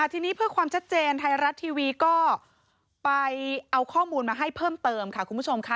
ทีนี้เพื่อความชัดเจนไทยรัฐทีวีก็ไปเอาข้อมูลมาให้เพิ่มเติมค่ะคุณผู้ชมค่ะ